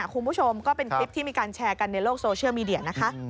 คุณผู้ชมก็เป็นคลิปที่มีการแชร์กันในโลกโซเชียลมีเดียนะคะ